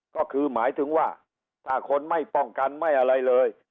ก็คือหมายถึงว่าถ้าคนไม่ป้องกันไม่อะไรเลย